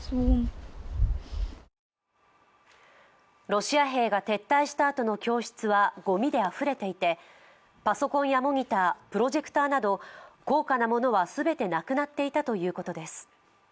ロシア兵が撤退したあとの教室はごみであふれていて、パソコンやモニタープロジェクターなど高価なものは全てなくなっていたということです。